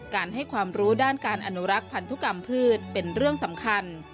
ให้ความรู้ด้านการอนุรักษ์พันธุกรรมพืชเป็นเรื่องสำคัญ